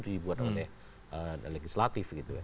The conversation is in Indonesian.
dibuat oleh legislatif